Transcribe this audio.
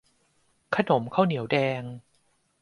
ขนมข้าวเหนียวแดง